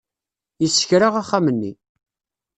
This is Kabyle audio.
Yessekra axxam-nni.